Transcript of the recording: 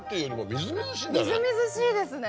みずみずしいですね